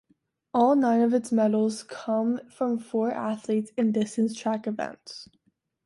All nine of its medals come from four athletes in distance track events.